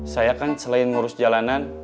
saya kan selain ngurus jalanan